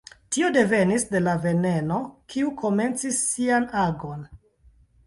Tio devenis de la veneno, kiu komencis sian agon.